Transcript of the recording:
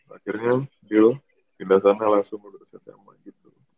akhirnya deal pindah sana langsung menurut saya sama gitu